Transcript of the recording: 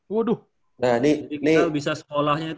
jadi kita bisa sekolahnya